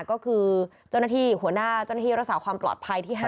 ก็คือเจ้าหน้าที่หัวหน้าเจ้าหน้าที่รักษาความปลอดภัยที่๕